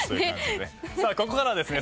さあここからはですね